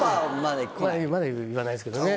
まだ言わないですけどね。